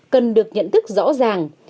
cần được nhận thức rõ ràng